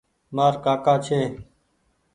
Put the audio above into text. مآر ڪآڪي ڇي ۔